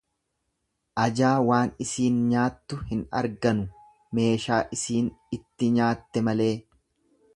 Ajaa waan isiin nyaattu hin arganu meeshaa isiin itti nyaatte malee.